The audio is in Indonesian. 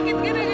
pergi re pergi